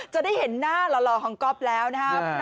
จะได้เห็นหน้าหล่อของก๊อฟแล้วนะครับ